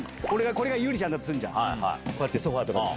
これがゆりちゃんだとするじゃんこうやってソファとかで。